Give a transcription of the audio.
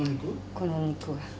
この肉が。